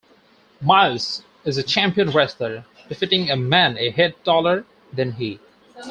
Myles is a champion wrestler, defeating a man a head taller than he.